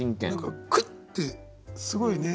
クッてすごいね。